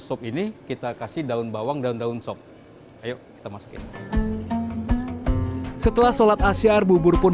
sop ini kita kasih daun bawang dan daun sop ayo kita masukin setelah sholat asyar bubur pun